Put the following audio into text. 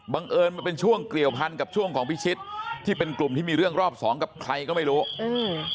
เอิญมันเป็นช่วงเกี่ยวพันกับช่วงของพิชิตที่เป็นกลุ่มที่มีเรื่องรอบสองกับใครก็ไม่รู้อืม